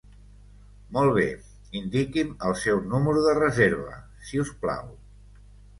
Molt bé, indiqui'm el seu número de reserva si us plau.